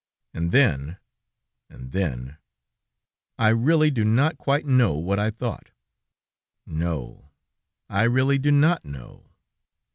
"And then ... and then, I really do not quite know what I thought; no, I really do not know.